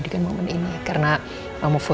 harus diam deh